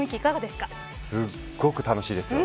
すごく楽しいですよ。